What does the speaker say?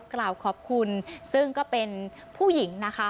กล่าวขอบคุณซึ่งก็เป็นผู้หญิงนะคะ